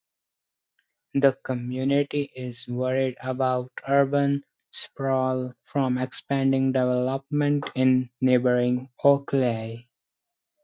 The community is worried about urban sprawl from expanding development in neighboring Oakley.